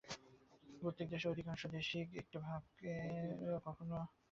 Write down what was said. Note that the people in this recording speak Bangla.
প্রত্যেক দেশের অধিকাংশ লোকই একটি ভাবকে কখনও ভাবরূপে পূজা করে না।